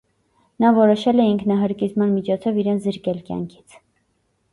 Նա որոշել է ինքնահրկիզման միջոցով իրեն զրկել կյանքից։